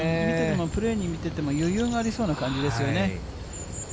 プレー見てても、余裕がありそうな感じですよね。